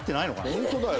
「ホントだよ」